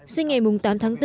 sinh ngày tám tháng bốn